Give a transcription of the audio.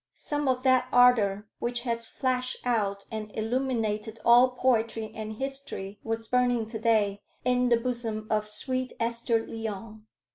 Some of that ardor which has flashed out and illuminated all poetry and history was burning to day in the bosom of sweet Esther Lyon.